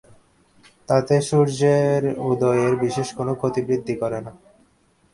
তাতে সূর্যের উদয়ের বিশেষ কোনো ক্ষতিবৃদ্ধি করে না।